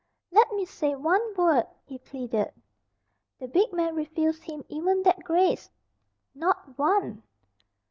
"Let me say one word?" he pleaded. The big man refused him even that grace. "Not one!"